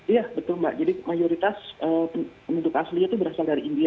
iya betul mbak jadi mayoritas penduduk aslinya itu berasal dari india